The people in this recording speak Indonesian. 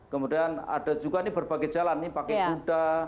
kemudian ada juga berbagai jalan pakai huda